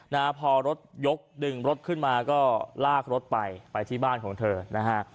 นะฮะพอรถยกดึงรถขึ้นมาก็ลากรถไปไปที่บ้านของเธอนะฮะ